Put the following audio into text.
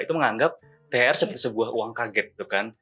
itu menganggap thr seperti sebuah uang kaget tuh kan